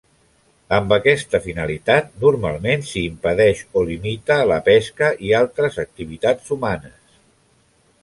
Amb aquesta finalitat, normalment s'hi impedeix o limita la pesca i altres activitats humanes.